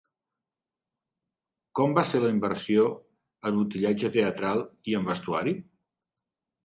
Com va ser la inversió en utillatge teatral i en vestuari?